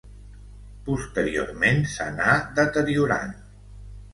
Posteriorment s'anà deteriorant.